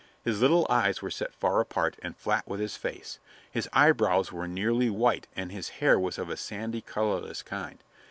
His little eyes were set far apart and flat with his face, his eyebrows were nearly white and his hair was of a sandy, colorless kind.